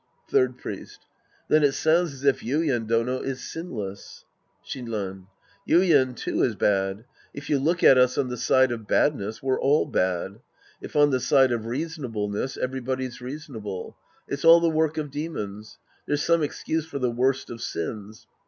Third Priest. Then it sounds as if Yuien Dono is sinless. Shinran. Yuien, too, is bad. If you look at us on the side of badness, we're all bad. If on the side of reasonableness, everybody's reasonable. It's all the work of demons. There's some excuse for the worst of sins.